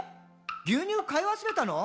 牛乳買い忘れたの？」